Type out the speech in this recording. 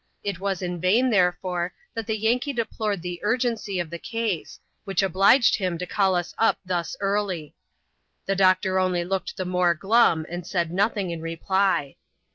It was in vain, therefore, that the Yankee deplored the urgency of the case, which obliged him to call us up thus early :— the doctor only looked the more glum, and said nothing in reply.